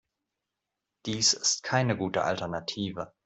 Dies ist keine gute Alternative.